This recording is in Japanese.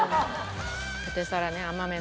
ポテサラね甘めの。